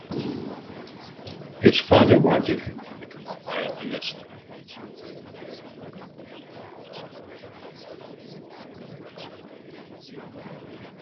His father wanted him to become a violinist.